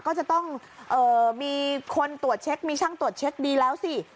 ก็จะต้องมีคนตรวจเช็คมีช่างตรวจเช็คดีแล้วสิ